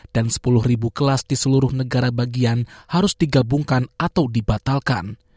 dan sepuluh kelas di seluruh negara bagian harus digabungkan atau dibatalkan